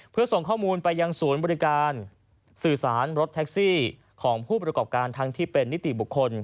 เพื่อส่งข้อมูลไปยังศูนย์บริการสื่อสารรถแท็กซี่ของผู้ประกอบการทั้งที่เป็นนิติบุคคล